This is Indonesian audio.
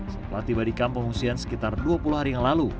setelah tiba di kamp pengungsian sekitar dua puluh hari yang lalu